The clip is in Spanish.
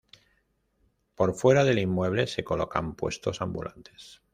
Por fuera del inmueble se colocan puestos ambulantes.